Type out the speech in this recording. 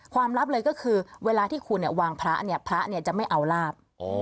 ลับเลยก็คือเวลาที่คุณวางพระเนี่ยพระจะไม่เอาลาบ